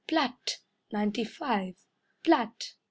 Plat! "Ninety five." Plat!